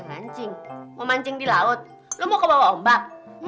mau mancing di laut lo mau ke bawah ombak